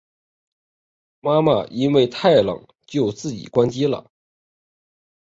妈妈因为太冷就自己关机了